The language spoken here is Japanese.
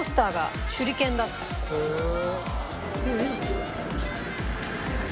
へえ。